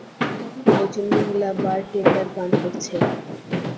একজন মহিলা বারটেন্ডার পান করছে।